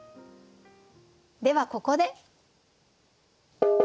ではここで。